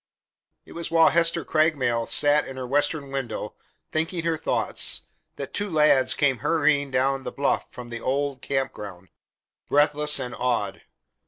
It was while Hester Craigmile sat in her western window, thinking her thoughts, that two lads came hurrying down the bluff from the old camp ground, breathless and awed.